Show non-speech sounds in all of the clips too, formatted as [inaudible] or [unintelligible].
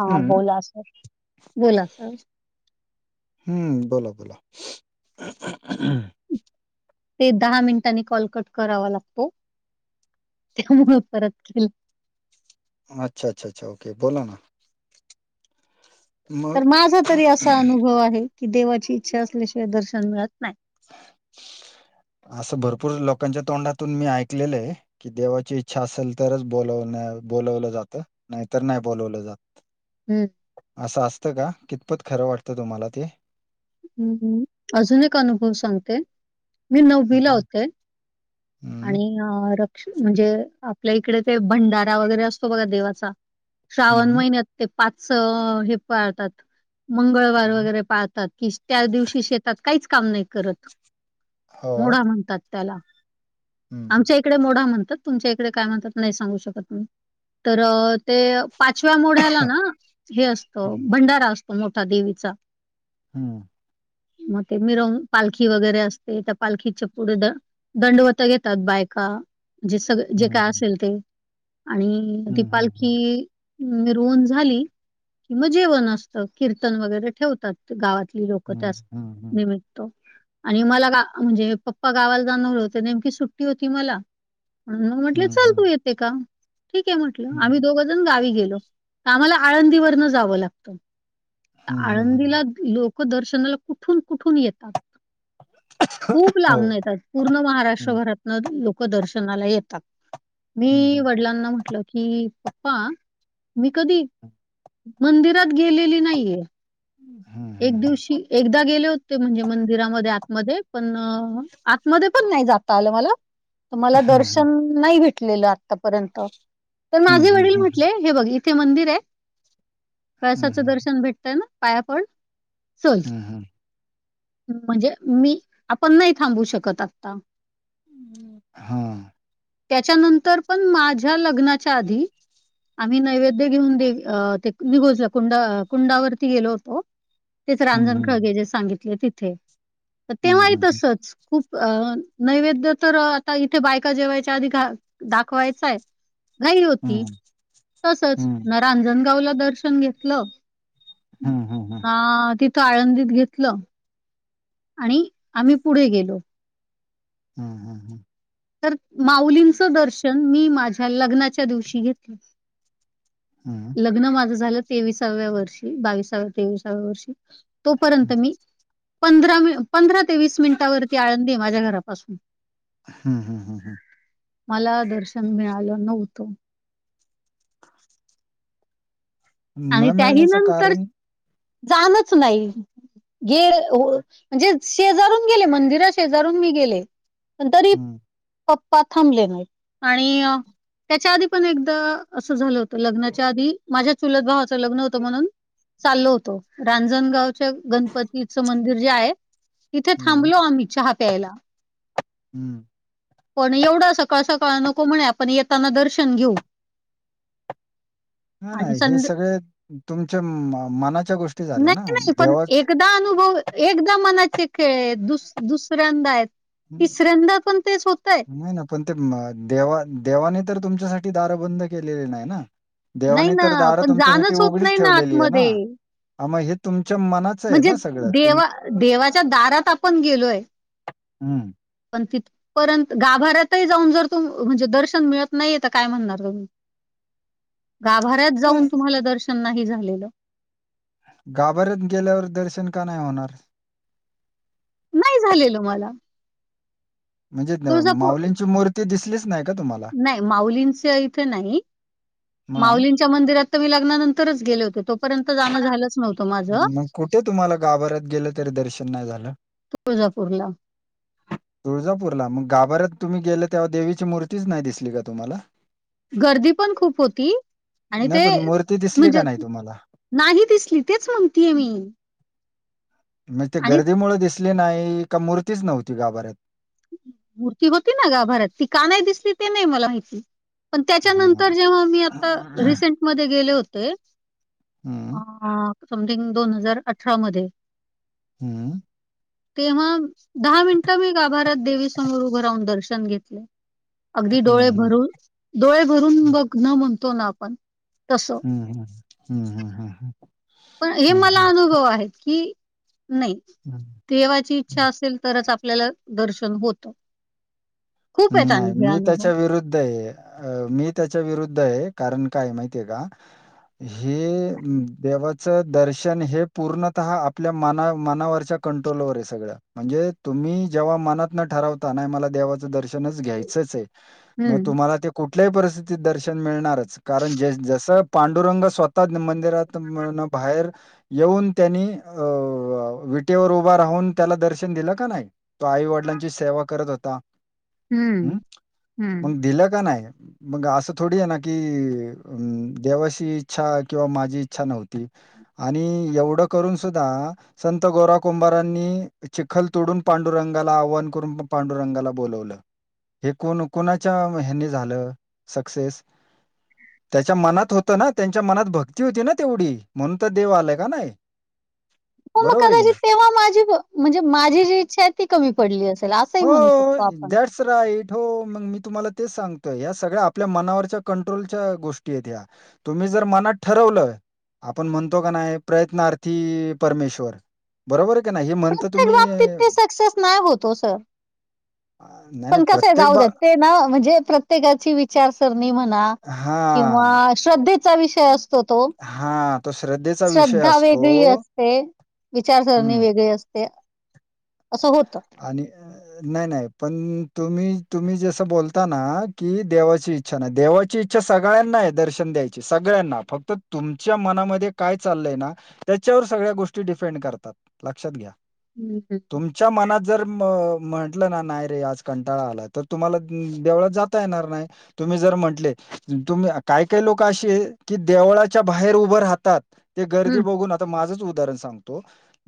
हा, बोला सर बोला सर. हम्म, बोला बोला. ते दहा मिनिटांनी कॉल कट करावा लागतो तिथून मग परत केला. अच्छ अच्छा अच्छा ओके बोला ना. मग तर माझा तरी असा अनुभव आहे की, देवाची इच्छा असल्याशिवाय दर्शन मिळत नाही. असं भरपूर लोकांच्या तोंडातून मी ऐकलेलं आहे. कि, देवाची इच्छा असेल तरच बोलवण बोलवलं जातं. नाहीतर नाही बोलवलं जात. हम्म, असं असतं का कितपत खरं वाटतं तुम्हाला ते. हम्म हम्म, ह अजून एक अनुभव सांगते मी नववीला हम्म होते. आणि अ रक्ष म्हणजे. आपल्या इकडे ते भंडारा वगैरे असतो बघा देवाचा श्रावण हम्म महिन्यात. ते पाच हे पाळतात मंगळवार वगैरे पाळतात की, त्या दिवशी. शेतात काहीच काम नाही करत हो मोडा म्हणतात त्याला हम्म आमच्या एक. इकडे मोड म्हणतात तुमच्या इकडे काय म्हणतात नाही सांगू शकत तुम्ही तर ते. पाचव्या मोढ्याला ना हे असतो भंडारा असतो मोठा देवीचा. हम्म. मग ते मिरवनुक पालखी वगैरे असते त्या पालखीच्या पुढे द ''--'' दंडवत घेतात बायका जी सगळे. जे हम्म काय असेल ते आणि ती हम्म हम्म पालखी. मिरवून झाली की, मग जेवण असतं कीर्तन वगैरे ठेवतात गावात. लोक हम्म त्यास हम्म निमित्त. आणि मला गा म्हणजे पप्पा गावाला जाणार होते. नेमकी सुट्टी होती मला. म्हणून म्हटले हम्म चल तू हम्म येते का ठीक आहे म्हंटलं हम्म आम्ही दोघंजण गावी गेलो. त आम्हाला आळंदीवरन जावं लागत हम्म हम्म आळंदीला लोक. लोक दर्शनाला कुठून कुठून येतात. खूप हो लांबन येतात पूर्ण हम्म महाराष्ट्रभरातन लोक. लोक दर्शनाला येतात हम्म मी हम्म वडिलांना म्हटल. कि पप्पा मी कधी मंदिरात गेलेली नाहीये. हम्म हम्म एक हम्म दिवशी एक. एकदा गेले होते म्हणजे मंदिरामध्ये आतमध्ये पण आतमध्ये पण नाही जाता आलं मला. मला दर्शन नाही भेटलेलं आतापर्यंत तर हम्म माझे हम्म वडील हम्म म्हटले. हे बघ इथे मंदिर आहे कळसाचं हम्म दर्शन भेटतय ना पाया पड. चल हम्म हम्म म्हणजे मी आपण नाही थांबवू शकत आता. हम हा, त्याच्यानंतर पण माझ्या लग्नाच्या आधी. आम्ही नैवेद्य घेऊन देवी ते निघोजलं कुंडा कुंडावरती गेलो होतो. तेच हम्म रांजण हाँ खळगे जे सांगितले तिथे तर हम्म हम्म तेव्हाही हम्म तसच खूप अ''--'' नैवेद्य तर आता इथे बायका जेवायच्या आधी घा दाखवायचा हाय. घाई होती हम्म तसच ना रांजणगाव ला दर्शन घेतलं. हम्म हम्म, हम्म हम्म ना तिथं आळंदीत घेतलं. आणि आम्ही पुढे गेलो. हा हा हा तर माऊलींचं दर्शन मी माझ्या लग्नाच्या दिवशी घेतलं हम्म ह लग्न माझं झालं तेवीसाव्या वर्षी बावीसाव्या, तेविसाव्या वर्षी तोपर्यंत मी पंधरा मी पंधरा ते वीस मिनिटावरती आळंदी माझ्या घरापासून हम्म हम्म हम्म मला दर्शन मिळालं नव्हतं. न आणि त्याही मिळण्याचं नंतर कारण जाणच नाही. गे हो म्हणजे शेजारून गेले मंदिरा शेजारून मी गेले पण तरी हम्म पप्पा थांबले नाहीत आणि अ त्याच्या आधी पण एकदा असं झालं होतं लग्नाच्या आधी, माझ्या चुलत भावाचं लग्न होतं म्हणून चाललो होतो, रांजणगावच्या गणपतीच मंदिर जे आहे तिथे हम्म थांबलो आम्ही चहा प्यायला हम्म पण एवढा सकाळ सकाळ नको म्हणे आपण येताना दर्शन घेऊ हा ना आणि हे संध्या सगळे तुमच्या मनाच्या गोष्टी झाल्या ना नाही नाही पण देवाच एकदा अनुभव एकदा मनाचे खेळयत, दुस दुसऱ्यांदायत हम्, नाही न पण ते देवा देवाने तर तुमच्यासाठी दारं बंद केलेली नाहि ना? नाही देवाने ना तर दारं पण तुमच्यासाठी जाणंच होत उघडीच नाही ना ठेवलेलीय ना? आतमध्ये. हा मं हे तुमच्या मनात म्हणजे देवा देवाच्या दारात आपण गेलोय हम्म पण तिथपर्यंत गाभाऱ्यातही जाऊन जर तु म्हणजे दर्शन मिळत नाहीये तर काय म्हणणार तूम्ही? गाभाऱ्यात नाही जाऊन तुम्हाला दर्शन नाही झालेलं गाभाऱ्यात गेल्यावर दर्शन का नाय होणार? नाही झालेलं मला म्हणजे तुळजापूर माउलींची मूर्ती दिसलीच नाही का तुम्हाला? नाही माउलींच्या इथं नाही, मग? माऊलीं त्या मंदिरात तर मी लग्नानंतरच गेले होते. तो [unintelligible] मग कुठे तुम्हाला गाभऱ्यात गेलं तरी दर्शन नाय झालं? तुळजापूरला तुळजापूरला? मग गाभाऱ्यात तुम्ही गेले तेव्हा देवीची मूर्तीच नाय दिसली का तुम्हाला? गर्दी पण खूप होती आणि नाही ते पण मूर्ती दिसली का म्हणजे नाही तुम्हाला? नाही दिसली तेच म्हणतीये मी मं ते आणि गर्दीमुळे दिसली नाही? का मूर्तीच नव्हती गाभऱ्यात? मूर्ती होती ना गाभाऱ्यात ती का नाय दिसली ते नाही मला माहिती पण त्याच्यानंतर हं. जेव्हा मी आत्ता रिसेंटमध्ये गेले होते हं, अं आं समथिंग दोन हजार अठरा मधे हम्म तेव्हा दहा मिनटं मी गाभाऱ्यात देवीसमोर उभं राहून दर्शन घेतलं, अगदी डोळे हं, हं, हं, भरून डोळे भरून बघणं म्हणतो ना आपण तसं हम् हम्म हम् हम्म पण हे मला अनुभव आहेत की, नाही हं. देवाची इच्छा असेल तरच आप आपल्याला दर्शन होतं खूप आहेत आणि नाय हे मी अनुभव. त्याच्या विरुद्धय अं मी त्याच्या विरुद्ध, कारण काय माहितीये का? हे देवाचं दर्शन हे पूर्णतः आपल्या मना मनावरच्या कंट्रोलवरय सगळं, म्हणजे तुम्ही जेव्हा मनातनं ठरवता नाय मला देवाचं दर्शनच घ्यायचचय, मग हं, तुम्हाला ते कुठल्याही परिस्थितीत दर्शन मिळणारच. कारण ज जसं पांडुरंग स्वतःच मंदिरात त म न भायेर येऊन त्यांनी अं विटेवर उभा राहून त्याला दर्शन दिलं का नाय? तो आई वडिलांची सेवा करत होता, हं, हम् हं. मग दिलं का नाय? मग असं थोडी आहे ना कि अ देवाची इच्छा किंवा माझी इच्छा नव्हती? आणि एवढं करून सुद्धा संत गोरा कुंभारांनी चिखल तुडून पांडुरंगाला आव्हान करून मं पांडुरंगाला बोलावलंय हे कोन कोनाच्या ह्यानी झालं सक्सेस? त्याच्या मनात होतं ना? त्यांच्या मनात भक्ती होती ना तेवढी म्हणून तर देव आले का नाय? हो मग कदाचित तेव्हा माझी म्हणजे माझी जी इच्छाय, ती कमी पडली असेल ल असही म्हणू शकतो आपण जरायठो मग मी तुम्हाला तेच सांगतोय ह्या सगळ्या आपल्या मनावरच्या कंट्रोलच्या गोष्टीयत ह्या तुम्ही जर मनात ठरवलं आपण म्हणतो क नाय प्रयत्नार्थी परमेश्वर बरोबर क नाय हे म्हणता प्रत्येक तुम्ही? बाबतीत ते सक्सेस नाही होत ओ सर. नाही, नाही पण कसंय, प्रत्येक जाऊ बा द्यात ते ना म्हणजे प्रत्येकाची विचारसरणी म्हणा हां, किंवा श्रद्धेचा विषय असतो तो, हां. तो श्रद्धेचा विषय श्रद्धा वेगळी असतो. असते विचारसरणी हं. वेगळी असते, असं होत‌ आणि नाय नाय पण तुम्ही तुम्ही जसं बोलता ना की देवाची इ च्छा ना देवाची इच्छा सगळ्यांनाय दर्शन द्यायची सगळ्यांना फक्त तुमच्या मनामध्ये काय चाललंय ना त्याच्यावर सगळ्या गोष्टी डिपेंड करतात, लक्षात घ्या हम् हं च्या मनात जर म म्हंटलं ना नाही रे आज कंटाळा आलाय तर तुम्हाला देवळात जाता येणार नाय तुम्ही जर म्हटले तुम्ही काय काय लोकं अशीयत की देवळाच्या बाहेर उभं राहतात ते गर्दी हं, बघून आता माझंच उदाहरण सांगतो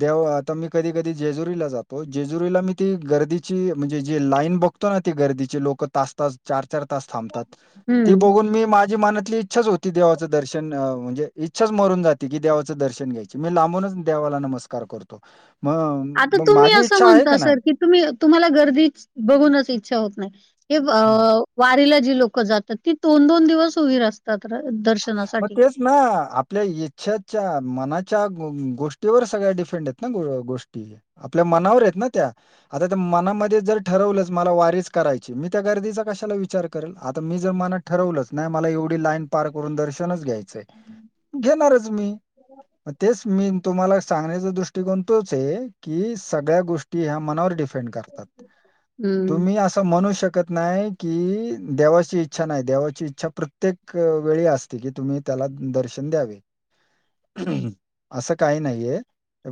देव आता मी कधी कधी जेजुरीला जातो जेजुरीला मी ती गर्दीची म्हणजे जी लाईन बघतो ना ती गर्दीची लोक तास तास चार चार तास थांबतात ती हं. बघून मी माझी मनातली इ्छाच होती देवाचं दर्शन म्हणजे इच्छाच मरून जाती की देवाचं दर्शन घ्यायची मी लांबूनच देवाला नमस्क् स्कार करतो मग आता मग तुम्ही माझी असं इच्छा आहे म्हणता का नाही? सर की तुम्ही तुम्हाला गर्दी बघूनच इच्छा होत नाय हे अ हां. वारीला जी लोकं जातात ती दोन दोन दिवस उभी अस तात्र मग दर्शनासाठी तेच ना आपल्या इच्छाच्या मनाच्या गोष्टीवर सगळ्या डिफेंडय ना गोष्टी? आपल्या मनावरय ना त्या? आता त्या मनामध्ये जर ठरवलंच मला वारीच करायची मी त्या गर्दीचा कशाला विचार करेल आता मी जर मनात ठरवलंच नाही मला एवढी लाईन पार करून दर्शनच घ्यायचंय? घेणारच मी ह [unintelligible] तेच मी तुम्हाला सांगण्याचा दृष्टिकोन तोच ये, की सगळ्या गोष्टी ह्या मनावर डिपेंड करतात. [inaudible] तुम्ही अस असं म्हणू शकत नाही की, देवाची इच्छा नाही. देवाची इच्छा प्रत्येक वेळी असते की तुम्ही त्याला दर्शन द्यावे. असं काही नाहीये.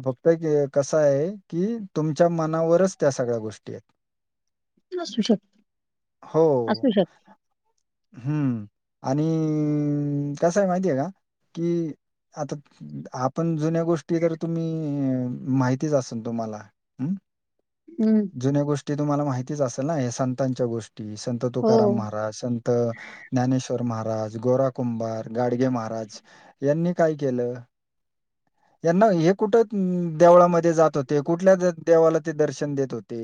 फक्त क कसं आहे की तुमच्या मनावरच त्या सगळ्या गोष्टी आहेत. असू शकतं, हो असू शकतं. हम्म आणि कसं ये माहितीये का? आता आपण जुन्या गोष्टी जर तुम्ही माहितीच असेन तुम्हाला. अं हम्म. जुन्या गोष्टी तुम्हाला माहितीच असेल ना, हे संतांच्या गोष्टी संत हो. तुकाराम महाराज संत त ज्ञानेश्वर महाराज गोरा कुंभार, गाडगे महाराज यांनी काय केलं? [inaudible] यांना हे कुठं देवळामध्ये जात होते? कुठल्या देवाला ते दर्शन देत होते.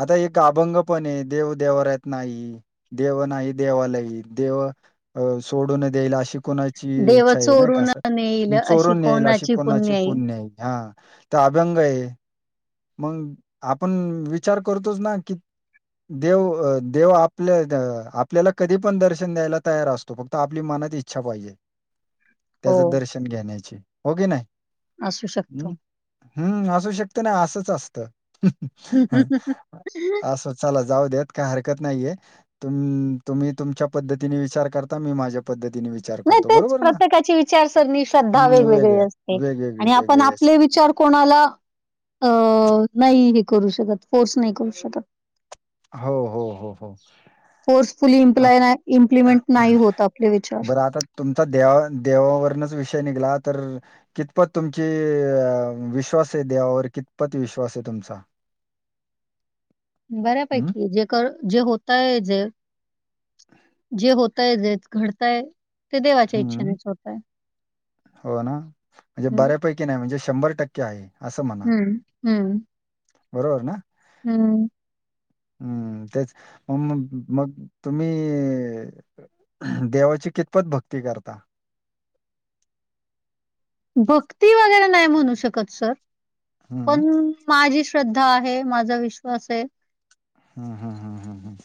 आता एक अभंग पणये, देव देव्हाऱ्यात नाही. देव नाही देवालइ, देव अं सोडून देईल अशी कोणाची देव इच्छा आहे नाय कां चोरून असं, नेईल अशी चोरून नेईल अशी कोणाची पुण्याई हा तो अभ्यंग ये, मग आपण विचार करतोच ना की देव देव आपल्या द आपल्याला कधी पण दर्शन द्यायला तयार असतो. फक्त आपली मनात इच्छा पाहिजे, त्याचं हो. दर्शन घेण्याची हो की नाही? असू शकतो. हम्म असू शकत नाय, असंच असतं हं ह असंच. चला जाऊद्यात, काय हरकत नाहीये. तुम तुम्ही तुमच्या पद्धतीने विचार कर मी माझ्या पद्धतीने वि नाही तेच प्रत्येकाची विचारसरणी, श्रद्धा हं, वेगवेगळी वेगळ्या, असते. वेगवेगळी, आणि आपण वेगळी आपले असते. विचार कोणाला अं नाही हे करू शकत, फोर्स नाही करू शकत. हो हो हो हो फोर्सफुली इम्प्लाय नाय इम्प्लिमेंट आता नाही होत आपले विचार. बरं आता तुमचा देवा देवावरनच विषय निघला तर कितपत तुमची अं विश्वासये देवावर, कितपत विश्वास आहे तुमचा. हं, बऱ्यापैकी जग जे होतंय जे जे होतंय जे घडतय. ते देवाच्या हं. इच्छेनेच होतय. हम् ते नाही, म्हजे शंभर टक्के आहे असं म्ह हम्म हम्म बरोबर ना? हम्म. हम्म तेच, मग मग तुम्ही देवाची कितपत भक्ती करता? भक्ती वगैरे नाही म्हणू शकत सर, हं, पण माझी श्रद्धा आहे माझा विश्वास हे. हम्म हम्म हम्म हम्म,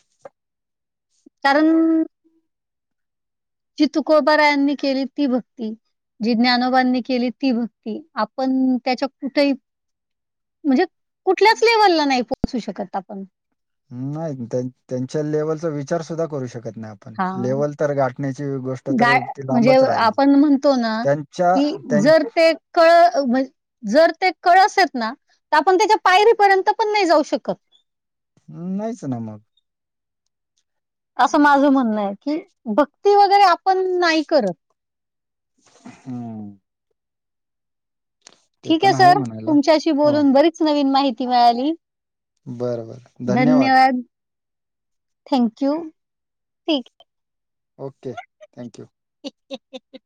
कारण. जी तुकोबारायांनी केली ती भक्ती. जी ज्ञानोबांणी केली ती भक्ती आपण त्याच्या कुठेही. म्हणजे कुठल्याच लेवलला नाही पोहोचू शकत आपण. नाही त्या त्यांच्या लेवलचा विचार सुद्धा करू शकत नाही आपन. हां. लेवल तर गाठण्याची गोष्ट तर गाय ती म्हणजे लांबच राहिली आपण म्हणतो ना, त्यां ''--'' च्या की जर त्यां''--'' ते कळ म्हण जर ते कळस आहेत ना तर आपण त्याच्या पायरीपर्यंत पण नाही जाऊ शकत. हम्, नाहीच ना मग. असं माझं म्हणणं आहे की, भक्ती वगैरे आपण नाही करत. हम्, ते ठीके पण आहे सर म्हणायला तुमच्याशी हो बोलून बरीच नवीन माहिती मिळाली. बरं बरं धन्यवाद. थँक्यू ठीक. Okay thank you. [inaudible]